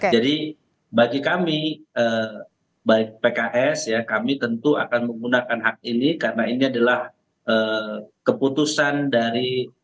jadi bagi kami baik pks kami tentu akan menggunakan hak ini karena ini adalah keputusan dari